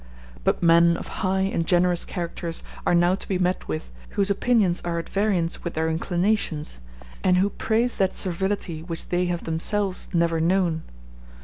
But men of high and generous characters are now to be met with, whose opinions are at variance with their inclinations, and who praise that servility which they have themselves never known.